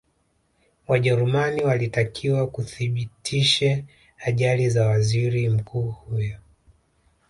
wajerumani walitakiwa kuthibitishe ajali ya waziri mkuu huyo